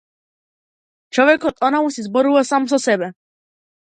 Човекот онаму си зборува сам со себе.